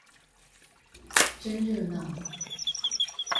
真熱鬧